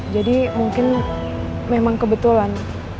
jadi mungkin memang kebetulan